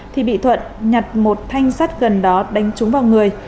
thì bị thuận nhặt một thanh sắt gần đó đánh trúng vào người